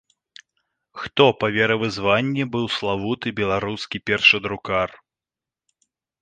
Хто па веравызнанні быў славуты беларускі першадрукар?